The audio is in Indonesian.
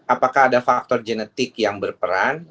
apakah ada faktor genetik yang berperan